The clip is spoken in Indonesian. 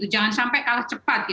jangan sampai kalah cepat